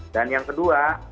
dan yang kedua